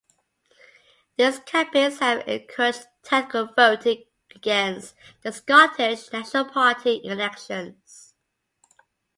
These campaigns have encouraged tactical voting against the Scottish National Party in elections.